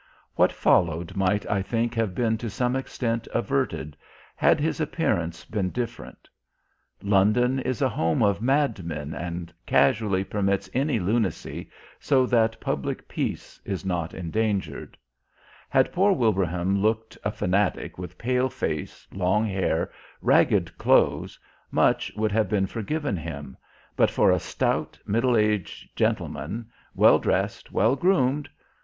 What followed might I think have been to some extent averted had his appearance been different. London is a home of madmen and casually permits any lunacy so that public peace is not endangered; had poor Wilbraham looked a fanatic with pale face, long hair, ragged clothes, much would have been forgiven him, but for a stout, middle aged gentleman, well dressed, well groomed....